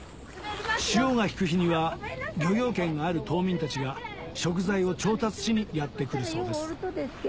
潮が引く日には漁業権がある島民たちが食材を調達しにやって来るそうです